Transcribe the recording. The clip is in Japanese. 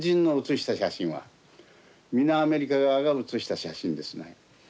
皆アメリカ側が写した写真ですね。